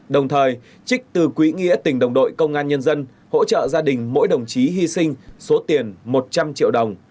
đồng thời trích từ quý nghĩa tình đồng đội công an nhân dân hỗ trợ gia đình mỗi đồng chí hy sinh số tiền một trăm linh triệu đồng